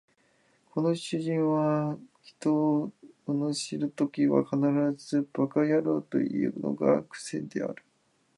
この主人は人を罵るときは必ず馬鹿野郎というのが癖である